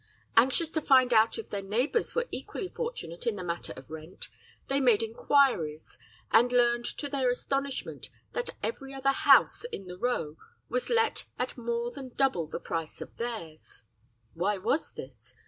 "Anxious to find out if their neighbours were equally fortunate in the matter of rent, they made enquiries, and learned to their astonishment that every other house in the row was let at more than double the price of theirs. "Why was this?